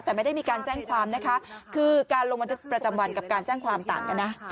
แต่ไม่ได้มีการแจ้งความนะคะคือการลงบันทึกประจำวันกับการแจ้งความต่างกันนะ